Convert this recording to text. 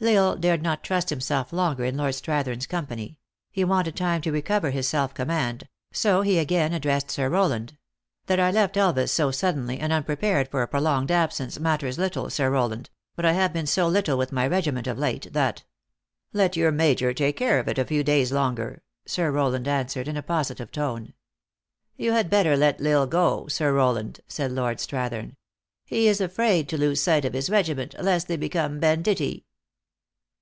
L Isle dared not trust himself longer in Lord Strath ern s company ; he wanted time to recover his self command ; so he again addressed Sir Rowland : "That I left Elvas so suddenly, and unprepared for a pro longed absence, matters little, Sir Rowland ; but I have been so little with my regiment of late, that " Let your major take care of it a few days longer," Sir Rowland answered, in a positive tone. "You had better let L Isle go, Sir Rowland," said Lord Strathern. " He is afraid to lose sight of his regiment, lest they become banditti."